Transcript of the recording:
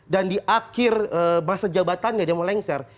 dan di akhir masa jabatannya dia mau lengser